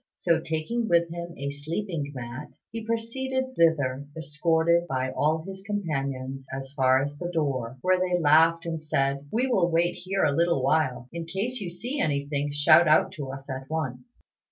So, taking with him a sleeping mat, he proceeded thither, escorted by all his companions as far as the door, where they laughed and said, "We will wait here a little while. In case you see anything, shout out to us at once."